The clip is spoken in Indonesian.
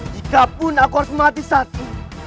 jikapun aku harus mati satu